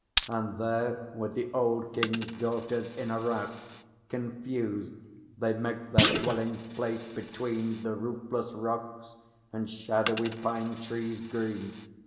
And there, with the old King's daughters, in a rout Confused, they make their dwelling place between The roofless rocks and shadowy pine trees green.